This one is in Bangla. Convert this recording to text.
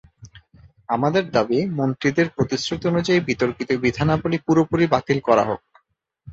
আমাদের দাবি, মন্ত্রীদের প্রতিশ্রুতি অনুযায়ী বিতর্কিত বিধানাবলি পুরোপুরি বাতিল করা হোক।